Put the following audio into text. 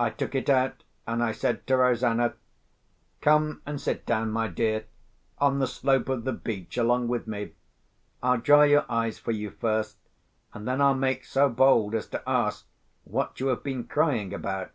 I took it out, and I said to Rosanna, "Come and sit down, my dear, on the slope of the beach along with me. I'll dry your eyes for you first, and then I'll make so bold as to ask what you have been crying about."